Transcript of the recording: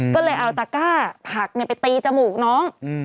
ก็เลยเอาตะก้าผักไปตีจมูกน้อง